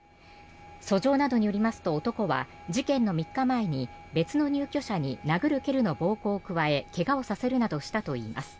訴状などによりますと男は事件の３日前に別の入居者に殴る蹴るの暴行を加え怪我をさせるなどしたといいます。